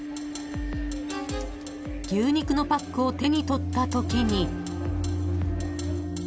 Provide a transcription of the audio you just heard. ［牛肉のパックを手に取ったときに］